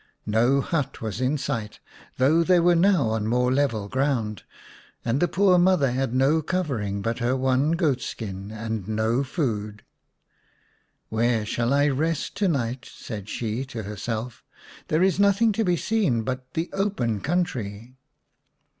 No hut was in sight, though they were now on more level ground, and the poor mother had no covering but her one goat skin, and no food. " Where shall I rest to night ?" said she to herself. " There is nothing to be seen but the open country."